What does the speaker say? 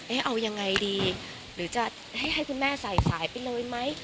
เอ้ยเอายังไงดีหรือจะให้คุณแม่ไส่ไปเลยมั้ย